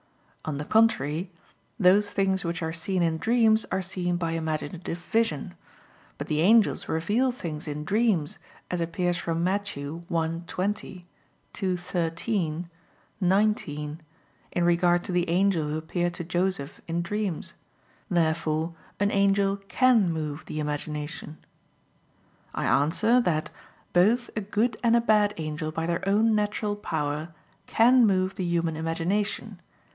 On the contrary, Those things which are seen in dreams are seen by imaginative vision. But the angels reveal things in dreams, as appears from Matt. 1:20; 2:13, 19 in regard to the angel who appeared to Joseph in dreams. Therefore an angel can move the imagination. I answer that, Both a good and a bad angel by their own natural power can move the human imagination.